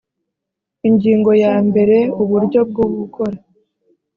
ingingo ya mbere uburyo bwo gukora